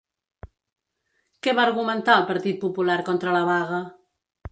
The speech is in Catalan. Què va argumentar el Partit Popular contra la vaga?